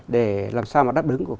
để làm sao mà đáp ứng